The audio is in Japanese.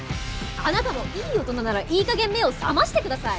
あなたもいい大人ならいい加減目を覚ましてください。